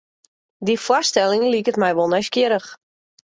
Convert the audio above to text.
Dy foarstelling liket my wol nijsgjirrich.